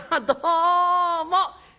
「どうも」。